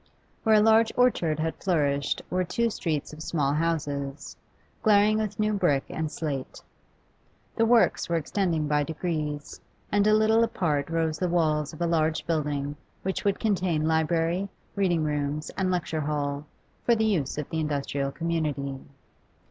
Where a large orchard had flourished were two streets of small houses, glaring with new brick and slate The works were extending by degrees, and a little apart rose the walls of a large building which would contain library, reading rooms, and lecture hall, for the use of the industrial community.